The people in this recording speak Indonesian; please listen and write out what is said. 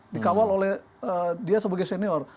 dikawal oleh dia sebagai senior